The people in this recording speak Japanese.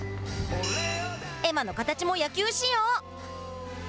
絵馬の形も野球仕様。